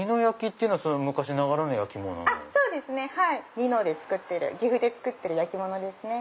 美濃で作ってる岐阜で作ってる焼き物ですね。